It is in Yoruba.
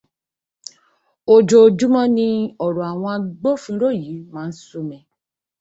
Ojojúmọ́ ni ọ̀rọ̀ àwọn agbófinró yìí máa ń sú mi